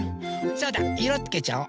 そうだいろつけちゃおう。